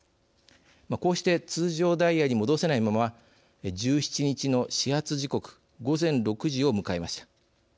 こうして通常ダイヤに戻せないまま１７日の始発時刻午前６時を迎えました。